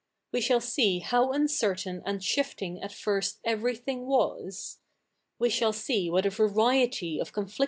We shall see how uficertain and shifti fig at first every thifig was. We shall see what a variety of conflicti?